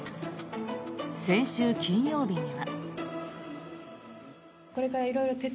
先週金曜日には。